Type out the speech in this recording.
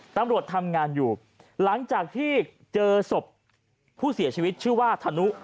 ตำรวจทำงานอยู่หลังจากที่เจอศพผู้เสียชีวิตชื่อว่าธนุ